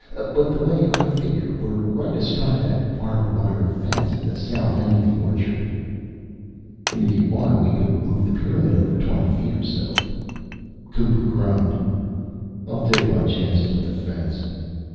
But the way I figure, we're right astraddle that barbed wire fence at the south end of the orchard." "If you want, we could move the pyramid over twenty feet or so." Cooper groaned. "I'll take my chances with the fence."